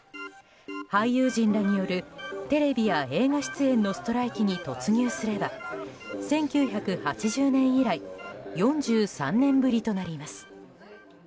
俳優陣らによるテレビや映画出演のストライキに突入すれば１９８０年以来４３年ぶりとなります。